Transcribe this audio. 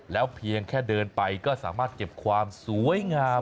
แล้วเพียงแค่เดินไปก็สามารถเก็บความสวยงาม